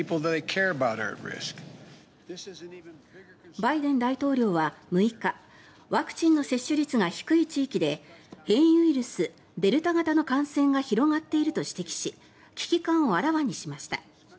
バイデン大統領は６日ワクチンの接種率が低い地域で変異ウイルス、デルタ型の感染が広がっていると指摘し危機感をあらわにしました。